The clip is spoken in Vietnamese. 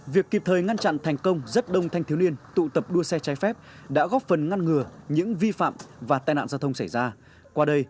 việc kịp thời ngăn chặn thành công rất đông thanh thiếu niên tụ tập đua xe trái phép đã góp phần ngăn ngừa những vi phạm và tai nạn gian